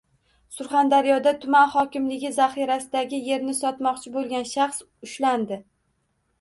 Surxondaryoda tuman hokimligi zaxirasidagi yerni sotmoqchi bo‘lgan shaxs ushlandi